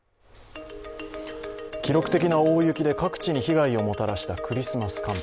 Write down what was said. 記録的な大雪で各地に被害をもたらしたクリスマス寒波。